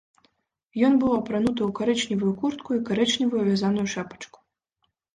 Ён быў апрануты ў карычневую куртку і карычневую вязаную шапачку.